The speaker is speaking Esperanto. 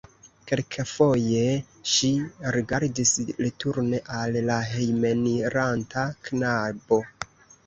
Kelkafoje ŝi rigardis returne al la hejmeniranta knabo.